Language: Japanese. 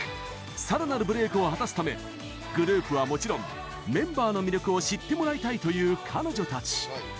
さらなるブレークを果たすためグループはもちろんメンバーの魅力を知ってもらいたいという彼女たち。